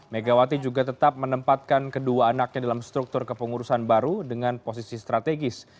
megawati juga tetap menempatkan kedua anaknya dalam struktur kepengurusan baru dengan posisi strategis